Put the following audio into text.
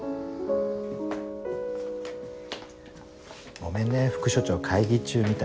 ごめんね副署長会議中みたいで。